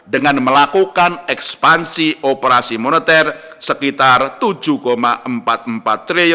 dengan melakukan ekspansi operasi moneter sekitar rp tujuh empat puluh empat triliun